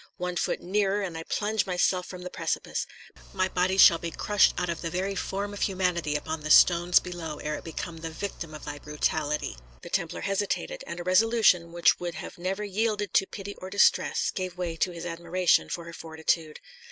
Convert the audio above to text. One foot nearer, and I plunge myself from the precipice; my body shall be crushed out of the very form of humanity upon the stones below ere it become the victim of thy brutality!" The Templar hesitated, and a resolution which would have never yielded to pity or distress gave way to his admiration for her fortitude.